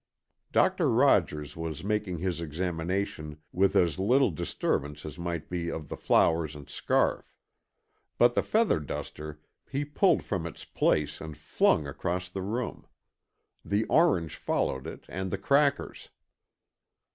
Doctor Rogers was making his examination with as little disturbance as might be of the flowers and scarf. But the feather duster he pulled from its place and flung across the room. The orange followed it, and the crackers.